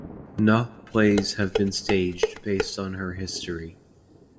Noh plays have been staged based on her story.